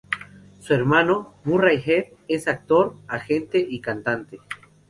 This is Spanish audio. Su hermano, Murray Head, es actor, agente y cantante.